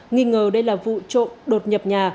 nghĩ ngờ đây là vụ trộm đột nhập nhà